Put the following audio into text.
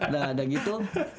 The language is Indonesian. nah dan gitu